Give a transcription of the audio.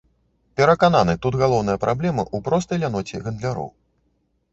Перакананы, тут галоўная праблема ў простай ляноце гандляроў.